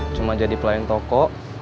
cuma jadi pelayan toko